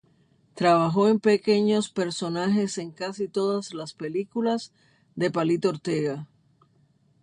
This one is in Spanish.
Trabajó en pequeños personajes en casi todas las películas de Palito Ortega.